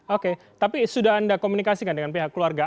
oke tapi sudah anda komunikasikan dengan pihak keluarga